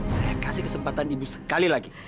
saya kasih kesempatan ibu sekali lagi